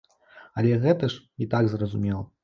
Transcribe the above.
Але гэта ж і так зразумела.